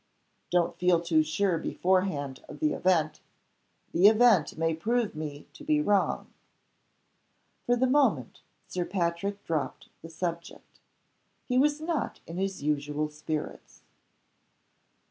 Don't feel too sure beforehand of the event. The event may prove me to be wrong." For the moment Sir Patrick dropped the subject. He was not in his usual spirits.